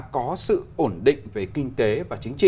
có sự ổn định về kinh tế và chính trị